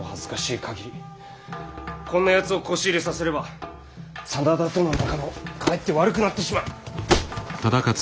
こんなやつをこし入れさせれば真田との仲がかえって悪くなってしまう。